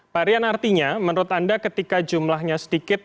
pak rian artinya menurut anda ketika jumlahnya sedikit